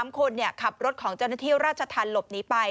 ๓คนขับรถของเจ้าหน้าที่ราชธรรมหลบหนีไป